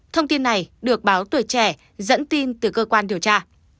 thông tin này được báo tuổi trẻ dẫn tin từ cơ quan điều tra